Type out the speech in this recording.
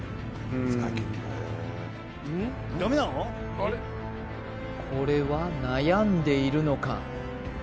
はいこれは悩んでいるのか？